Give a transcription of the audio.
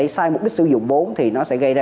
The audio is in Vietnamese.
sai mục đích sử dụng vốn thì nó sẽ gây ra